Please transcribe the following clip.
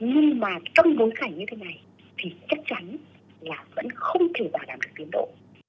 nhưng mà trong bối cảnh như thế này thì chắc chắn là vẫn không thể bảo đảm được tiến độ